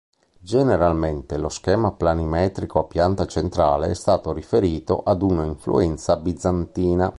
Generalmente lo schema planimetrico a pianta centrale è stato riferito ad una influenza bizantina.